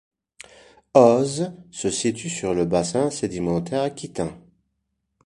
Eauze se situe sur le bassin sédimentaire aquitain.